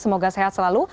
semoga sehat selalu